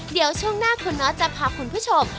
เดี๋ยวช่วงหน้าคุณน็อตจะพาคุณผู้ชม